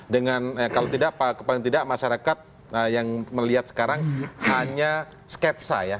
dengan kalau tidak paling tidak masyarakat yang melihat sekarang hanya sketsa ya